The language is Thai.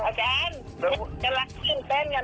อาจารย์มีคนได้ไปรางวัลที่๑แหละ